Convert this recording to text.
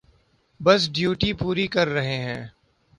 بس ڈیوٹی پوری کر رہے ہیں۔